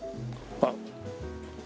あっ。